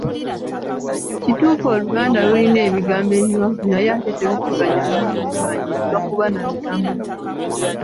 Kituufu Oluganda lulina ebigambo ebiwanvu naye ate teruvuganya nnimi zimanyiddwa kuba na bigambo biwanvu.